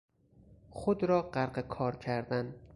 خود را غرق کار کردن